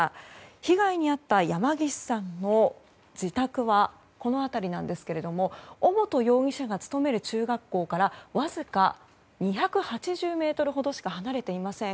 被害に遭った山岸さんの自宅はこの辺りなんですけども尾本容疑者が勤める中学校からわずか２８０ｍほどしか離れていません。